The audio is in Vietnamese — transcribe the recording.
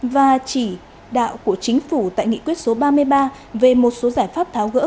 và chỉ đạo của chính phủ tại nghị quyết số ba mươi ba về một số giải pháp tháo gỡ